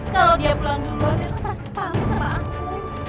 kalau dia pulang dulu dia pasti panggil sama aku